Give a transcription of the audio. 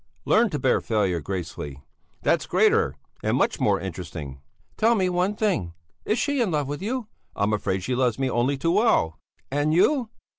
Learn to bear failure gracefully! That's greater and much more interesting." "Tell me one thing! Is she in love with you?" "I'm afraid she loves me only too well." "And you?"